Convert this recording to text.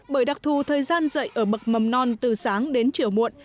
bởi đặc thù thời gian dạy ở bậc mầm non từ sáng đến chiều muộn